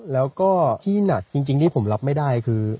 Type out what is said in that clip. แล้วก็ที่หนักจริงที่ผมรับไม่ได้คือ